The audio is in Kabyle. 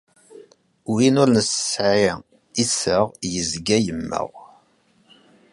Win ur nesɛi iseɣ, yezga yemmeɣ.